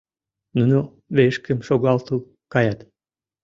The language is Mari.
Нуно вешкым шогалтыл каят.